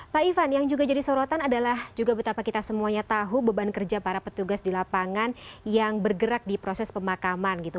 pak ivan yang juga jadi sorotan adalah juga betapa kita semuanya tahu beban kerja para petugas di lapangan yang bergerak di proses pemakaman gitu